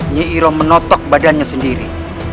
nyi iroh menotok badannya sendiri